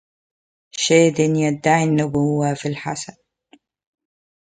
شادن يدعي النبوة في الحسن